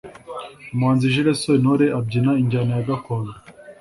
Umuhanzi jule sentore abyina injyana yagakondo